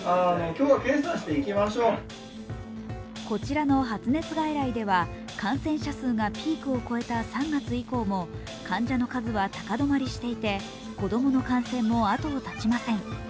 こちらの発熱外来では感染者数がピークを越えた３月以降も患者の数は高止まりしていて、子供の感染もあとを絶ちません。